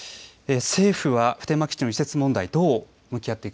政府は普天間基地の移設問題